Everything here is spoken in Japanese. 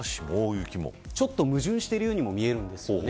ちょっと矛盾しているようにも見えるんですよね。